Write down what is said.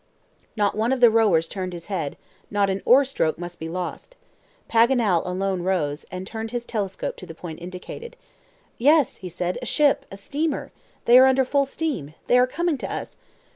Not one of the rowers turned his head not an oar stroke must be lost. Paganel alone rose, and turned his telescope to the point indicated. "Yes," said he, "a ship! a steamer! they are under full steam! they are coming to us!